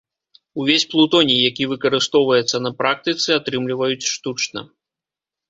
Увесь плутоній, які выкарыстоўваецца на практыцы, атрымліваюць штучна.